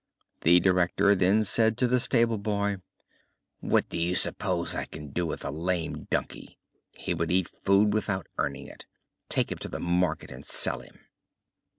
The director then said to the stable boy: "What do you suppose I can do with a lame donkey? He would eat food without earning it. Take him to the market and sell him."